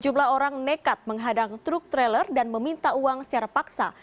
sejumlah orang nekat menghadang truk trailer dan meminta uang secara paksa